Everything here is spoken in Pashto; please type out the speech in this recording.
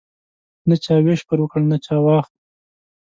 نه چا ویش پر وکړ نه چا واخ.